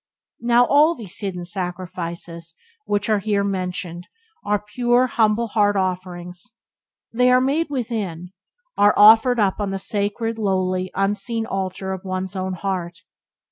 Now, all these hidden sacrifices which are here mentioned are pure, humble heart offerings. They are made within; are offered up on the sacred, lonely, unseen altar of one's own heart.